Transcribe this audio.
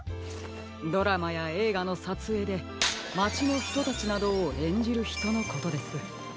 ドラマやえいがのさつえいでまちのひとたちなどをえんじるひとのことです。